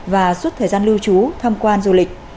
và suốt thời gian lưu trú tham quan du lịch